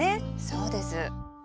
そうです。